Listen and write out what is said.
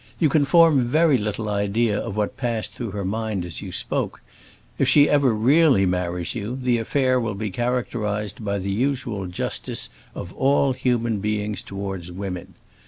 You can form very little idea of what passed through her mind as you spoke; if she ever really marries you, the affair will be characterized by the usual justice of all human beings towards women.